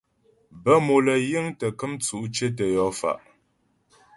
Bə́ mòm lə́ yiŋ tə́ kəm tsʉ̌' cyətə yɔ fa'.